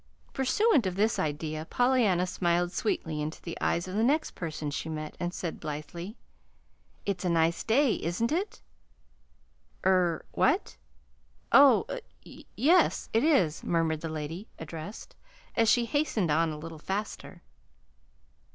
Pursuant of this idea Pollyanna smiled sweetly into the eyes of the next person she met, and said blithely: "It's a nice day, isn't it?" "Er what? Oh, y yes, it is," murmured the lady addressed, as she hastened on a little faster.